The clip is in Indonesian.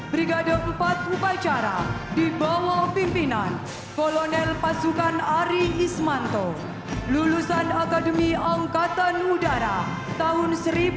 brigade empat upacara dibawah pimpinan kolonel pasukan ari ismanto lulusan akademi angkatan udara tahun seribu sembilan ratus sembilan puluh